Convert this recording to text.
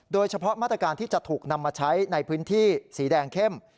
โดยเฉพาะมาตรการที่จะถูกนำมาใช้ในพื้นที่สีแดงเข้ม